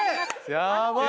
やばい！